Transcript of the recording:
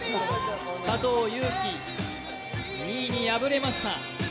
佐藤悠基、２位に敗れました。